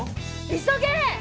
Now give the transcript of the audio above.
急げ！